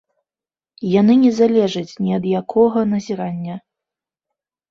Яны не залежаць ні ад якога назірання.